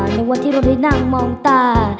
ในวันที่เราได้นั่งมองตา